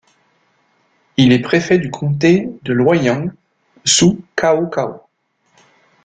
Il est préfet du comté de Luoyang sous Cao Cao.